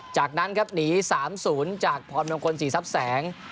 จากนั้นครับหนี๓๐จากพรมงคลศรีทรัพย์แสง